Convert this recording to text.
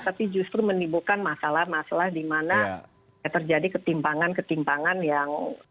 tapi justru menimbulkan masalah masalah di mana terjadi ketimpangan ketimpangan yang